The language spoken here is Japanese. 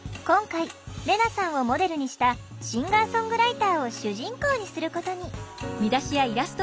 今回レナさんをモデルにしたシンガーソングライターを主人公にすることに。